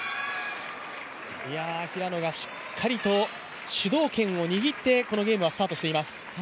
平野がしっかりと主導権を握って、このゲームはスタートしています。